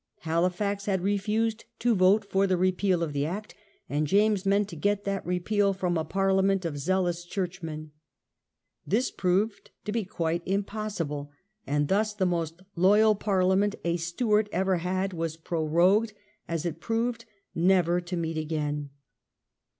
Halifax had refused to vote for the repeal of the Act, and James meant to get that repeal from a Parliament of zealous churchmen. This proved to be quite impossible, and thus the most loyal Parliament a Stewart ever had was prorogued, as it proved, never to meet again.